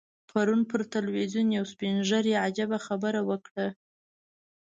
پرون پر ټلویزیون یو سپین ږیري عجیبه خبره وکړه.